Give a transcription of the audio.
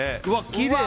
きれい！